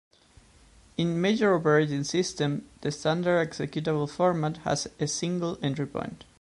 In major operating systems, the standard executable format has a single entry point.